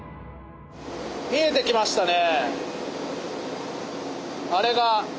見えてきましたね。